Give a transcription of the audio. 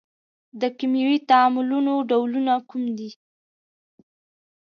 د کیمیاوي تعاملونو ډولونه کوم دي؟